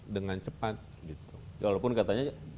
dengan cepat walaupun katanya